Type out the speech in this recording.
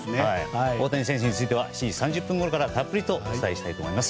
大谷選手については７時３０分ごろからたっぷりとお伝えしていきます。